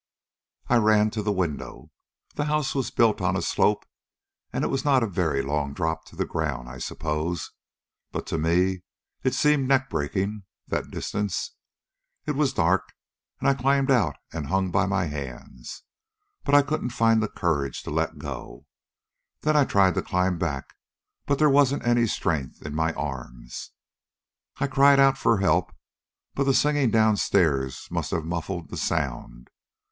"I ran to the window. The house was built on a slope, and it was not a very long drop to the ground, I suppose. But to me it seemed neck breaking, that distance. It was dark, and I climbed out and hung by my hands, but I couldn't find courage to let go. Then I tried to climb back, but there wasn't any strength in my arms. "I cried out for help, but the singing downstairs must have muffled the sound.